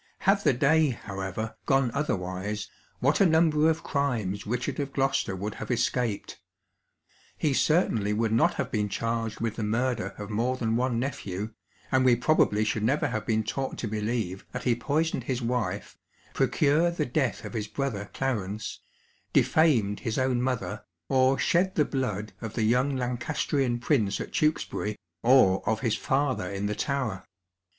Had the day, however, gone otherwise, what a num ber of crimes Richard of Gloucester would have escaped ! He certainly would not have been charged with the murder of more than one nephew, and we probably should never have been taught to believe that he poisoned his wife, procured the death of his brother Clarence, defamed his own mother, or shed the blood of the young Lancastrian prince at Tewkesbury, or of his father in the Tower.